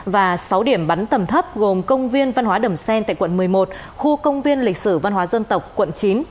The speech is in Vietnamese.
và sáu điểm bắn tầm thấp gồm công viên văn hóa đầm xen tại quận một mươi một khu công viên lịch sử văn hóa dân tộc quận chín